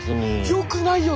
よくないよ！